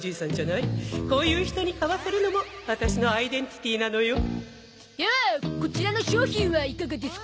こういう人に買わせるのもワタシのアイデンティティーなのよではこちらの商品はいかがですか？